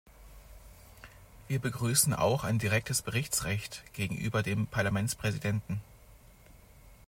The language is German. Wir begrüßen auch ein direktes Berichtsrecht gegenüber dem Parlamentspräsidenten.